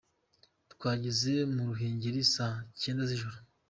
Twageze mu Ruhengeri saa cyenda z’ijoro.